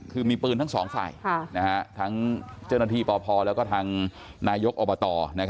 คือมีปืนทั้งสองสายทั้งเจริญาณภีร์ปอภแล้วก็ทั้งนายกอบต